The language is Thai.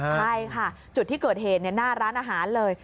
ใช่ค่ะจุดที่เกิดเหตุหน้าร้านอาหารเลย